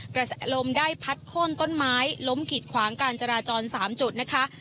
กระแสลมได้พัดโค้นต้นไม้ล้มกิดขวางการจราจร๓จุดนะคะ